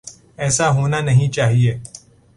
ایسا ہونا نہیں چاہیے۔